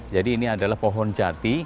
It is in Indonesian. jadi ini adalah pohon jati